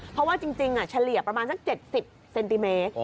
เพราะว่าจริงเฉลี่ยประมาณสัก๗๐เซนติเมตร